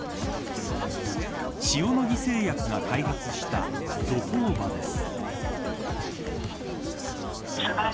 塩野義製薬が開発したゾコーバです。